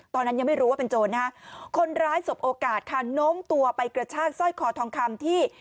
ตอนนั้นยังไม่รู้ว่าเป็นโจรนะฮะคนร้ายสบโอกาสค่ะโน้มตัวไปกระชากสร้อยคอทองคำที่